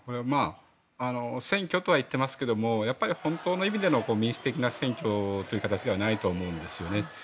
選挙とは言ってますけど本当の意味での民主的な選挙という形ではないと思うんですよね。